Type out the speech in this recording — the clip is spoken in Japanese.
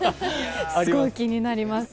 すごい気になります。